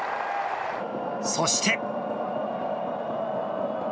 そして。